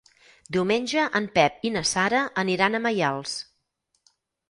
Diumenge en Pep i na Sara aniran a Maials.